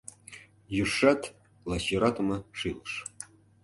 Южшат — лач йӧратыме шӱлыш.